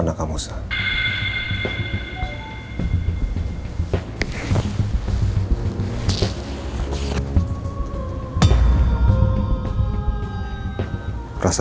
ada atau tidak ada